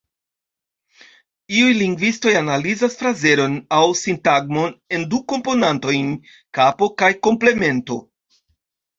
Iuj lingvistoj analizas frazeron, aŭ sintagmon, en du komponantojn: kapo kaj komplemento.